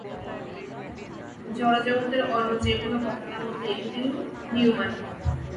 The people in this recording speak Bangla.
জড়জগতের অন্য যে-কোন ঘটনার মতই এগুলিও নিয়মাধীন।